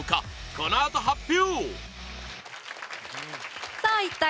このあと発表！